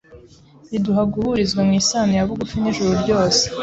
Riduha guhurizwa mu isano ya bugufi n’ijuru ryose,